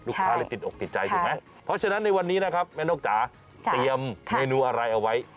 เลยติดอกติดใจถูกไหมเพราะฉะนั้นในวันนี้นะครับแม่นกจ๋าเตรียมเมนูอะไรเอาไว้